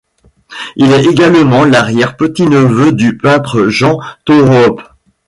Il est également l'arrière-petit-neveu du peintre Jan Toorop.